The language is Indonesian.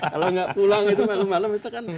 kalau nggak pulang itu malam malam itu kan